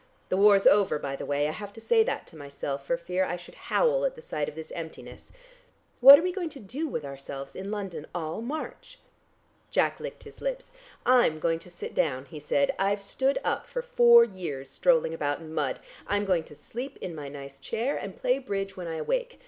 The war's over, by the way, I have to say that to myself, for fear I should howl at the sight of this emptiness. What are we going to do with ourselves in London all March?" Jack licked his lips. "I'm going to sit down," he said. "I've stood up for four years strolling about in mud. I'm going to sleep in my nice chair, and play bridge when I awake.